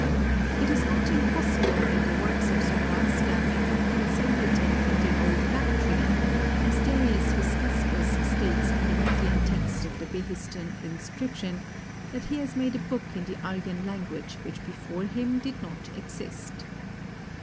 It is not impossible that the works of Zoroaster may have been so written in the old Bactrian, as Darius Hystaspes states in the Median text of the Behistun inscription, that he has made a book in the Aryan language which before him did not exist.